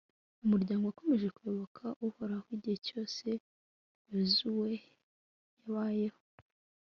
umuryango wakomeje kuyoboka uhoraho igihe cyose yozuwe yabayeho